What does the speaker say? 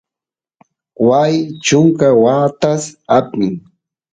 waay chunka watas apin